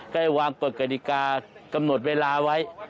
ได้วางกฎกฎิกากำหนดเวลาไว้